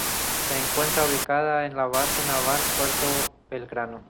Se encuentra ubicada en la Base Naval Puerto Belgrano.